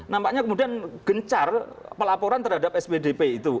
nampaknya kemudian gencar pelaporan terhadap spdp itu